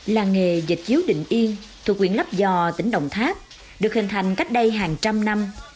là nghề dệt chiếu định yên thuộc huyện lấp vò tỉnh đồng tháp được hình thành cách đây hàng trăm năm